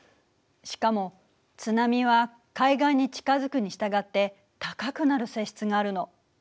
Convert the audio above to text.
しかも津波は海岸に近づくにしたがって高くなる性質があるの。